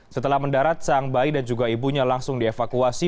setelah mendarat sang bayi dan juga ibunya langsung dievakuasi